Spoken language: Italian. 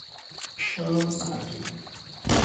Shawn Martin